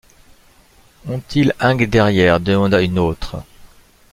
Ont-ils ung derrière? demanda une aultre.